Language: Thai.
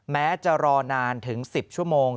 แม้จะรอนานถึง๑๐ชั่วโมง